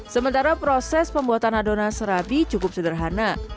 sementara proses pembuatan adonan serabi cukup sederhana